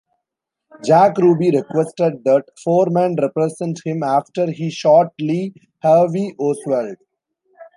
Jack Ruby requested that Foreman represent him after he shot Lee Harvey Oswald.